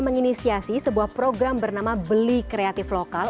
menginisiasi sebuah program bernama beli kreatif lokal